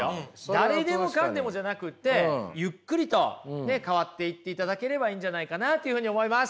誰でも彼でもじゃなくてゆっくりとね変わっていっていただければいいんじゃないかなというふうに思います。